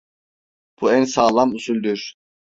Bu en sağlam usuldür!